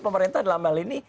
pemerintah dalam hal ini